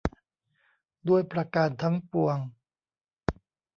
ด้วยประการทั้งปวง